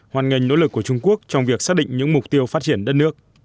hoan nghênh nỗ lực của trung quốc trong việc xác định những mục tiêu phát triển đất nước